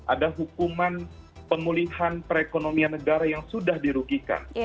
ada hukuman pemulihan perekonomian negara yang sudah dirugikan